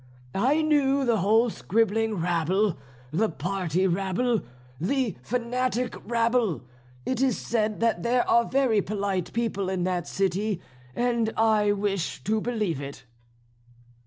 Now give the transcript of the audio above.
I knew the whole scribbling rabble, the party rabble, the fanatic rabble. It is said that there are very polite people in that city, and I wish to believe it."